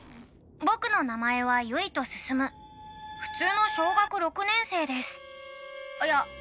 僕の名前は結糸向普通の小学６年生ですいや